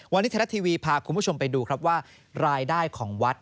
วันนี้เทลาทีวีพาคุณผู้ชมไปดูว่ารายได้ของวัด